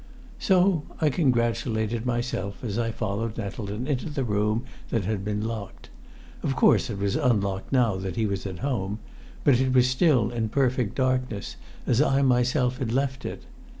So I congratulated myself as I followed Nettleton into the room that had been locked; of course it was unlocked now that he was at home, but it was still in perfect darkness as I myself had left it.